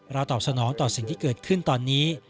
ตอบสนองต่อสิ่งที่เกิดขึ้นตอนนี้